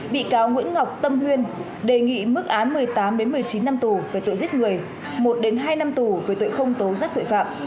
bị cáo nguyễn ngọc tâm huyên đề nghị mức án một mươi tám một mươi chín năm tù về tội giết người một hai năm tù về tội không tố rắc tội phạm